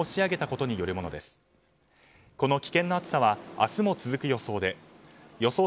この危険な暑さは明日も続く予想で予想